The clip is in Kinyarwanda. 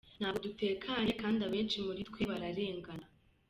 Ntabwo dutekanye kandi abenshi muri twe bararengana.